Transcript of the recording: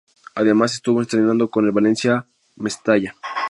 Además estuvo entrenando con el Valencia Mestalla.